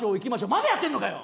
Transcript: まだやってんのかよ！